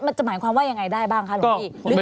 จะหมายความว่ายังไงได้บ้างคะหลวงพี่